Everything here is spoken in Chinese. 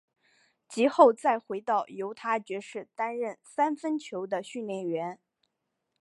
及后再回到犹他爵士担任三分球的训练员。